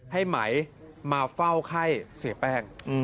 ให้ไหมมาเฝ้าไข้เสียแป้ง